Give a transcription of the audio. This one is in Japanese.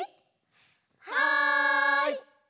はい！